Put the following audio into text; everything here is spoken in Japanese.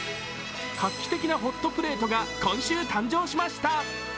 画期的なホットプレートが今週、誕生しました。